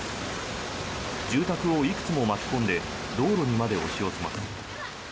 住宅をいくつも巻き込んで道路にまで押し寄せます。